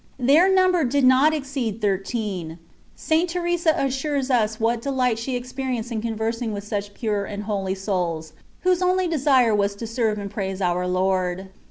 Their number did not exceed thirteen, St. Teresa assures us what delight she experienced in con versing with such pure and holy souls, whose only desire was to serve and praise our Lord.